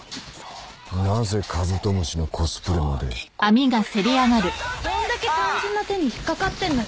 なぜカブトムシのコスプレまでどんだけ単純な手に引っかかってんのよ